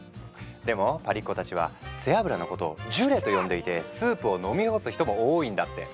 でもパリっ子たちは背脂のことを「ジュレ」と呼んでいてスープを飲み干す人も多いんだって。